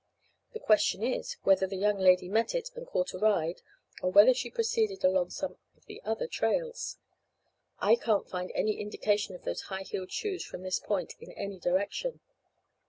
The question is, whether the young lady met it, and caught a ride, or whether she proceeded along some of the other trails. I can't find any indication of those high heeled shoes from this point, in any direction.